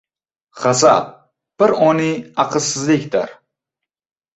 G‘azab — bir oniy aqlsizlik-dir…